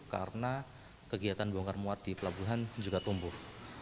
karena kegiatan bongkar muat di pelabuhan juga tumbuh